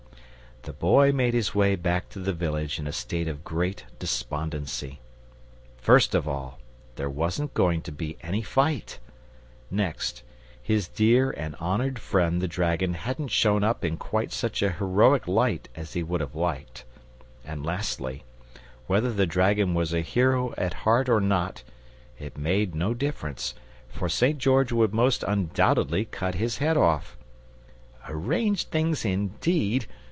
The Boy made his way back to the village in a state of great despondency. First of all, there wasn't going to be any fight; next, his dear and honoured friend the dragon hadn't shown up in quite such a heroic light as he would have liked; and lastly, whether the dragon was a hero at heart or not, it made no difference, for St. George would most undoubtedly cut his head off. "Arrange things indeed!"